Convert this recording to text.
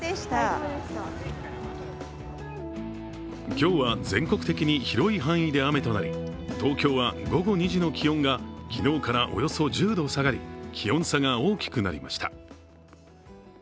今日は全国的に広い範囲で雨となり東京は午後２時の気温が昨日からおよそ１０度下がり気温差が大きくなりました。